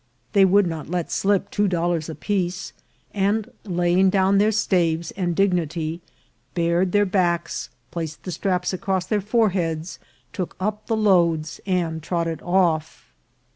They could not let slip two dollars apiece, and laying down their staves and dignity, bared their backs, placed the straps across their foreheads, took up the loads, and trotted off.